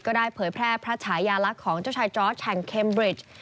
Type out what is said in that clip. ได้เผยแพร่พระฉายาลักษณ์ของเจ้าชายจอร์ดแห่งเคมบริด